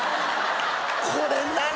これ何！？